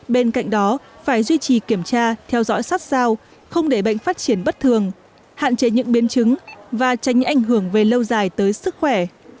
bên cạnh đó phải duy trì kiểm tra theo dõi sát sao không để bệnh phát triển bất thường hạn chế những biến chứng và tránh ảnh hưởng về lâu dài tới sức khỏe